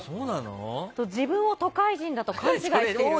自分を都会人だと勘違いしている。